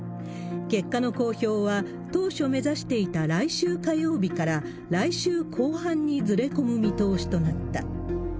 結果の公表は当初目指していた来週火曜日から来週後半にずれ込む見通しとなった。